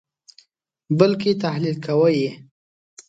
بلکې تحلیل کوئ یې.